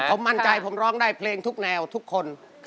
ผมมั่นใจผมร้องได้เพลงทุกแนวทุกคน